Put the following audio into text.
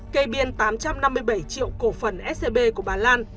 kê biên tám trăm năm mươi bảy triệu cổ phần scb của bà lan